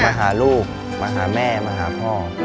มาหาลูกมาหาแม่มาหาพ่อ